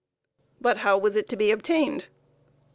But how was it to be obtained?